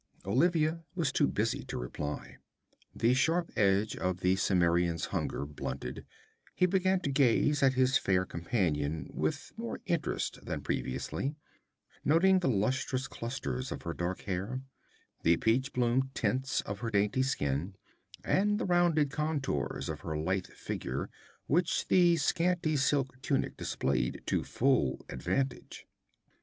Olivia was too busy to reply. The sharp edge of the Cimmerian's hunger blunted, he began to gaze at his fair companion with more interest than previously, noting the lustrous clusters of her dark hair, the peach bloom tints of her dainty skin, and the rounded contours of her lithe figure which the scanty silk tunic displayed to full advantage.